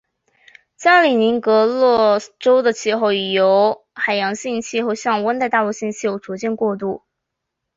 加里宁格勒州的气候已由海洋性气候向温带大陆性气候逐渐过渡。